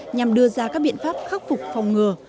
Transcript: nhằm đưa ra các biện pháp khắc phục phòng ngừa